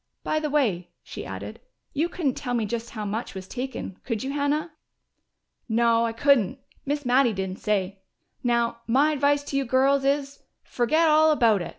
By the way," she added, "you couldn't tell me just how much was taken, could you, Hannah?" "No, I couldn't. Miss Mattie didn't say.... Now, my advice to you girls is: fergit all about it!